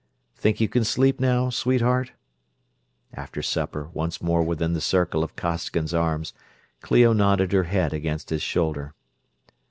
"Think you can sleep now, sweetheart?" After supper, once more within the circle of Costigan's arms, Clio nodded her head against his shoulder.